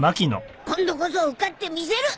今度こそ受かってみせる！